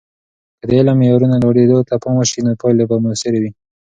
که د علم د معیارونو لوړیدو ته پام وسي، نو پایلې به موثرې وي.